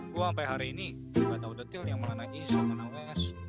gua sampe hari ini ga tau detail yang mana east sama west